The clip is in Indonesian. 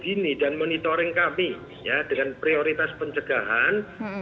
deteksi dini dan monitoring kami dengan prioritas pencegahan